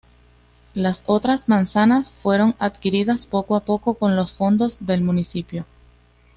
Las otras manzanas fueron adquiridas poco a poco con los fondos del municipio.